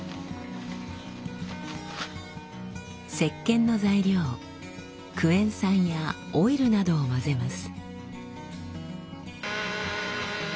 せっけんの材料クエン酸やオイルなどを混ぜます。